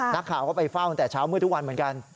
นักข่าวก็ไปเฝ้าตั้งแต่เช้ามืดทุกวันเหมือนกัน